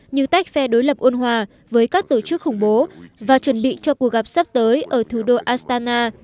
như tách phe đối lập ôn hòa với các tổ chức khủng bố và chuẩn bị cho cuộc gặp sắp tới ở thủ đô astana